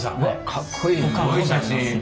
かっこいい。